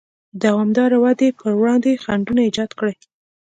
دوامداره ودې پر وړاندې خنډونه ایجاد کړي.